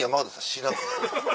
知らん。